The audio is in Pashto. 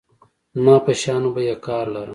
زما په شيانو به يې کار لاره.